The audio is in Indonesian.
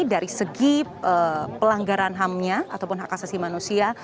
bagi pelanggaran hamnya ataupun hak asasi manusia